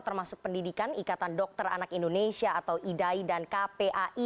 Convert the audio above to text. termasuk pendidikan ikatan dokter anak indonesia atau idai dan kpai